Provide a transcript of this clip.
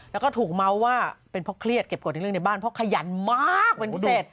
แล้วก็ถูกเมาส์ว่าเป็นเพราะเครียดเก็บกฎในเรื่องในบ้านเพราะขยันมากเป็นพิเศษ